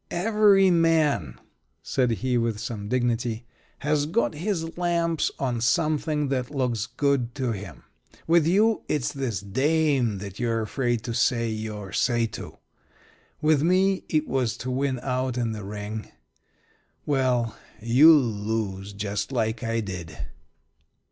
"Every man," said he, with some dignity, "has got his lamps on something that looks good to him. With you, it's this dame that you're afraid to say your say to. With me, it was to win out in the ring. Well, you'll lose just like I did."